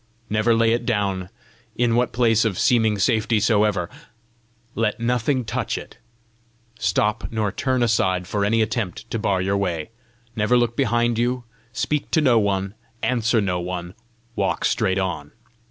Never lay it down, in what place of seeming safety soever; let nothing touch it; stop nor turn aside for any attempt to bar your way; never look behind you; speak to no one, answer no one, walk straight on.